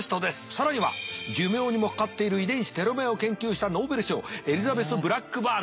更には寿命にも関わっている遺伝子テロメアを研究したノーベル賞エリザベス・ブラックバーンだ。